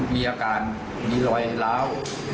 มีอาการมีรอยล้าว